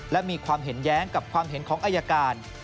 และมีความเห็นแย้งกับความเห็นของอายการ